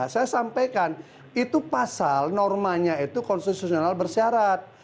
saya sampaikan itu pasal normanya itu konstitusional bersyarat